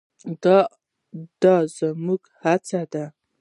دا زموږ هڅه ده.